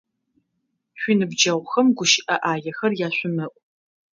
Шъуиныбджэгъухэм гущыӏэ ӏаехэр яшъумыӏу!